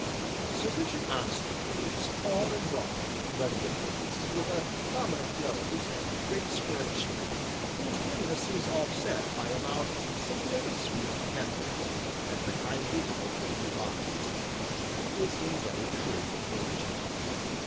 Sir Richard Anstruther is tall and broad, ruddy of face, with a prominent nose and great square chin whose grimness is offset by a mouth singularly sweet and tender, and the kindly light of blue eyes; he is in very truth a gentleman.